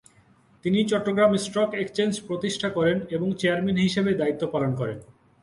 তিনি Chittagong stock exchange প্রতিষ্ঠা করেন এবং চেয়ারম্যান হিসেবে দায়িত্ব পালন করেন।